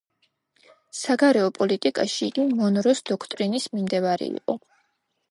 საგარეო პოლიტიკაში იგი მონროს დოქტრინის მიმდევარი იყო.